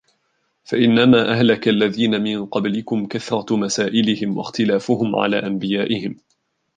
فَإِنَّمَا أَهْلَكَ الَّذِينَ مِنْ قَبْلِكُمْ كَثْرَةُ مَسَائِلِهِمْ واخْتِلاَفُهُمْ عَلَى أَنْبِيَائِهِمْ